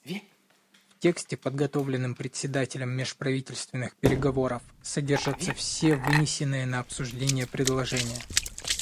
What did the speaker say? В тексте, подготовленном Председателем межправительственных переговоров, содержатся все вынесенные на обсуждение предложения.